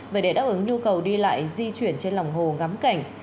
và để đáp ứng nhu cầu đi lại di chuyển trên lòng hồ gắm cảnh